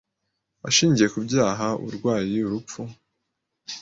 ashingiye kubyaha uburwayi urupfu